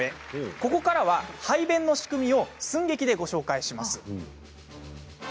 ここからは排便の仕組みを寸劇でご紹介します。